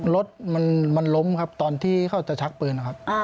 รถมันล้มครับตอนที่เขาจะชักปืนนะครับ